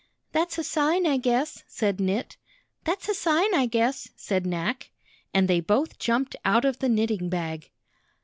"That's a sign, I guess," said Knit. "That's a sign, I guess," said I^ack. And they both jumped out of the knitting bag.